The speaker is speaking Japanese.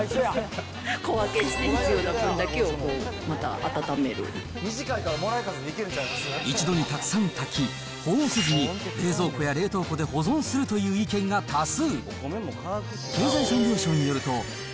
小分けして、必要な分だけをまた一度にたくさん炊き、保温せずに冷蔵庫や冷凍庫で保存するという意見が多数。